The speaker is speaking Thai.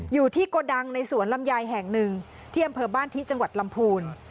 อยู่ที่โกดังในสวนลำไยแห่งหนึ่งที่อำเภอบ้านที่จังหวัดลำพูน